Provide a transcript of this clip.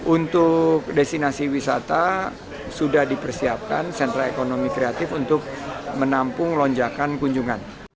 untuk destinasi wisata sudah dipersiapkan sentra ekonomi kreatif untuk menampung lonjakan kunjungan